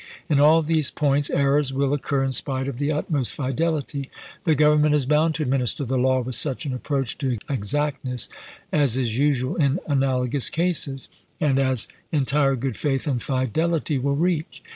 In all these points errors will occur in spite of the utmost fidelity. The Government is bound to administer the law with such an approach to exactness as is usual in analogous cases, and as THE LINCOLN SEYMOUR CORRESPONDENCE 57 entire good faith and fidelity will reach.